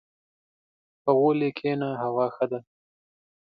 • په غولي کښېنه، هوا ښه ده.